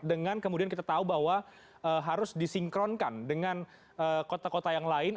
dengan kemudian kita tahu bahwa harus disinkronkan dengan kota kota yang lain